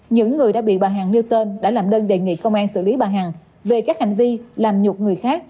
những người đã bị bà hàng nêu tên đã làm đơn đề nghị công an xử lý bà hằng về các hành vi làm nhục người khác